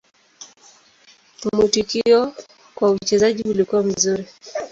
Mwitikio kwa uchezaji ulikuwa mzuri.